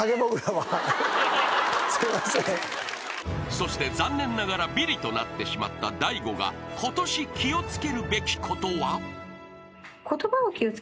［そして残念ながらビリとなってしまった大悟がことし気を付けるべきことは］